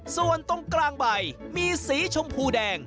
ส่วนตรงกลางใบมีสีชมพูแดง